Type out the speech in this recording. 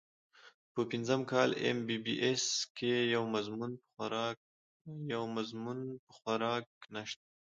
پۀ پنځه کاله اېم بي بي اېس کښې يو مضمون پۀ خوراک نشته